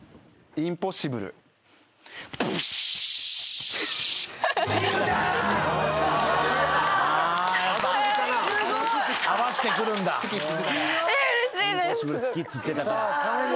インポッシブル好きっつってたから。